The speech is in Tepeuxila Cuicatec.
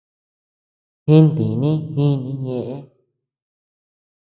Jintini jinii ñeʼe.